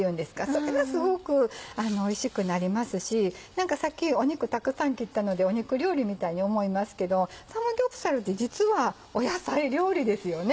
それがすごくおいしくなりますしさっき肉たくさん切ったので肉料理みたいに思いますけどサムギョプサルって実は野菜料理ですよね。